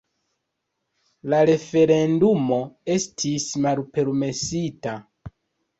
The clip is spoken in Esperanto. La referendumo estis malpermesita.